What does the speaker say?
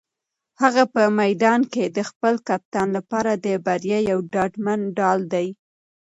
هغه په میدان کې د خپل کپتان لپاره د بریا یو ډاډمن ډال دی.